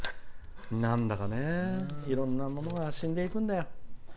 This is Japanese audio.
なんだかね、いろんなものが死んでいくんだよ。